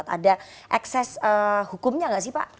ada ekses hukumnya nggak sih pak